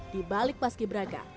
di balik pas kiberaka